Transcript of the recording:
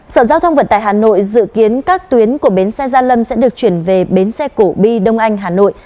sở giao thông vận tải hà nội dự kiến các tuyến của bến xe gia lâm sẽ được chuyển về bến xe cổ bi đông anh hà nội